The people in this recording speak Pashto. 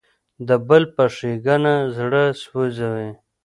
د بل په ښېګڼه زړه سوځي.